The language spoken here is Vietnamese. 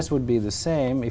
có rất nhiều